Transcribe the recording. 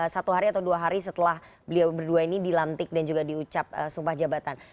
satu hari atau dua hari setelah beliau berdua ini dilantik dan juga diucap sumpah jabatan